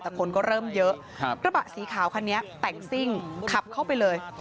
แต่คนก็เริ่มเยอะกระบะสีขาวคันนี้แต่งซิ่งขับเข้าไปเลย